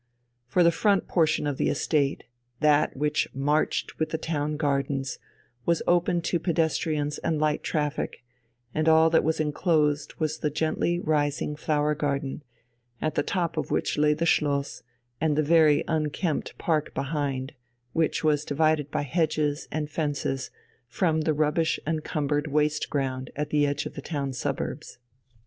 For the front portion of the estate, that which marched with the town gardens, was open to pedestrians and light traffic, and all that was enclosed was the gently rising flower garden, at the top of which lay the Schloss and the very unkempt park behind, which was divided by hedges and fences from the rubbish encumbered waste ground at the edge of the town suburbs.